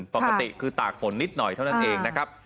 ปกติคือตากฝนนิดหน่อยเท่านั้นเองนะครับ